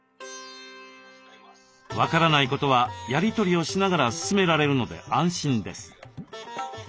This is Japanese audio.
分からないことはやり取りをしながら進められるので安心です。